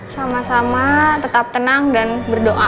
sama sama tetap tenang dan berdoa